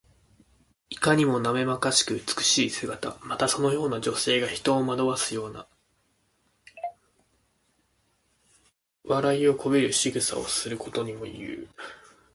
いかにもなまめかしく美しい姿。また、そのような女性が人を惑わすような、笑いこびるしぐさをすることにもいう。